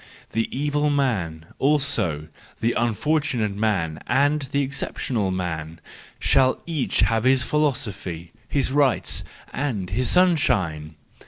The evil man, also, the unfortunate man, and the excep¬ tional man, shall each have his philosophy, his rights, and his sunshine!